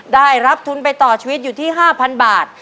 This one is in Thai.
ได้รับทุนไปต่อชีวิตอยู่ที่๕๐๐บาท